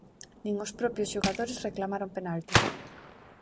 Nin os propios xogadores reclamaron penalti.